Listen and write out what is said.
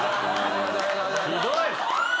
ひどい！